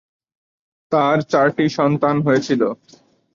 তার চারটি সন্তান হয়েছিল।